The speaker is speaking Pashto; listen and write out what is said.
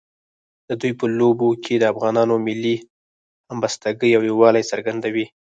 د دوی په لوبو کې د افغانانو ملي همبستګۍ او یووالي څرګندوي.